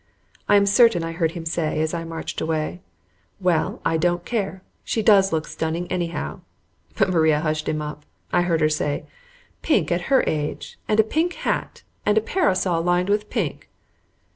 I am certain I heard him say, as I marched away, "Well, I don't care; she does look stunning, anyhow," but Maria hushed him up. I heard her say, "Pink at her age, and a pink hat, and a parasol lined with pink!"